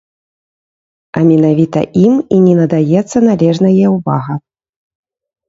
А менавіта ім і не надаецца належнае ўвага.